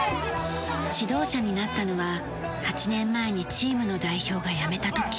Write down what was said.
指導者になったのは８年前にチームの代表が辞めた時。